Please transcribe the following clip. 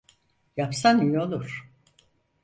Yapsan iyi olur.